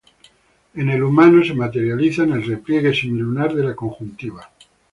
En el humano se materializa en el repliegue semilunar de la conjuntiva.